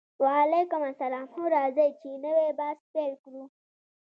وعلیکم السلام هو راځئ چې نوی بحث پیل کړو